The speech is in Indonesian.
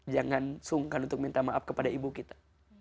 jangan sungkan untuk minta maaf kepada ibu kita